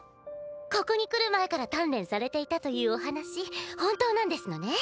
ここに来る前から鍛錬されていたというお話本当なんですのね。